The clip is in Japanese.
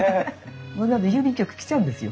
わざわざ郵便局来ちゃうんですよ。